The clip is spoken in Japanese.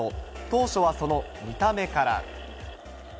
当初はその見た目から。